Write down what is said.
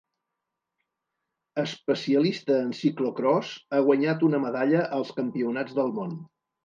Especialista en ciclocròs, ha guanyat una medalla als Campionats del món.